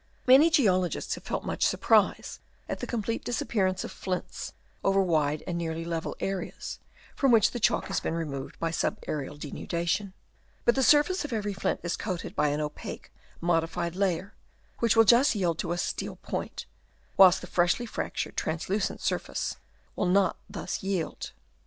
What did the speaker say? f Many geologists have felt much surprise at the complete disappearance of flints over wide and nearly level areas, from which the chalk has been removed by subaerial denudation. But the surface of every flint is coated by an opaque modified layer, which will just yield to a steel point, whilst the freshly fractured, translucent surface will not thus yield.